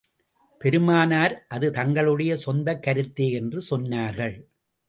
பெருமானார், அது தங்களுடைய சொந்தக் கருத்தே என்று சொன்னார்கள்.